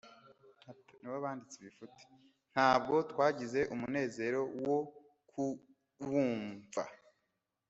Ntabwo twagize umunezero wo kukwumva